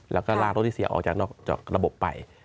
แล้วก็ลากรถที่เสียออกจากระบบไป